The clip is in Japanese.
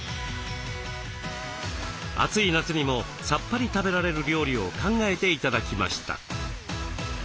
暑い夏にもさっぱり食べられる料理を考えて頂きました。